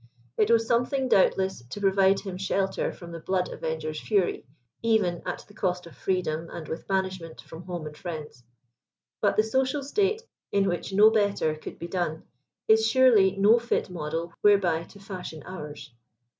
It was some thing, doubtless, to provide him shelter from the blood avenger's fury, even, at the cost of freedom and with banishment from home and friends ; but the social state in which no better could be done, is surely no fit model whereby to fashion ours.